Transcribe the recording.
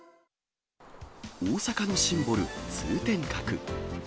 大阪のシンボル、通天閣。